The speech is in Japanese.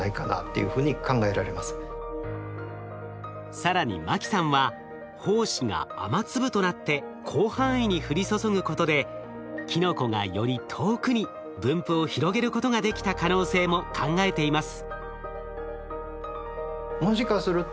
更に牧さんは胞子が雨粒となって広範囲に降り注ぐことでキノコがより遠くに分布を広げることができた可能性も考えています。